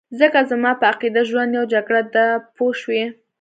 ځکه زما په عقیده ژوند یو جګړه ده پوه شوې!.